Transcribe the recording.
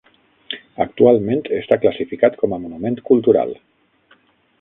Actualment està classificat com a monument cultural.